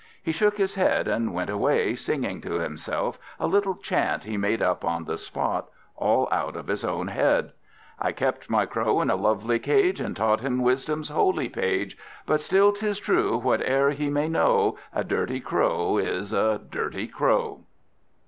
He shook his head and went away, singing to himself a little chant he made up on the spot, all out of his own head "I kept my Crow in a lovely cage, And taught him wisdom's holy page; But still 'tis true, whate'er he may know, A dirty Crow is a dirty Crow."